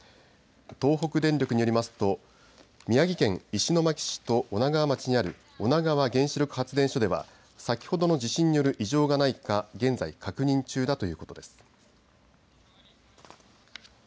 東北電力によりますと宮城県石巻市と女川町にある女川原子力発電所では先ほどの地震による異常がないか現在、確認中だということです。